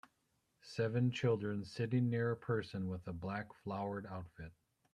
Seven children sitting near a person with a black flowered outfit.